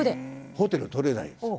ホテル取れないんです。